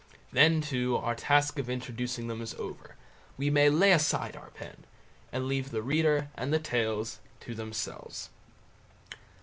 Then, too, our task of introducing them is over, we may lay aside our pen, and leave the reader and the tales to themselves.